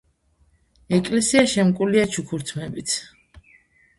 ეკლესია შემკულია ჩუქურთმებით.